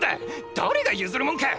誰が譲るもんか！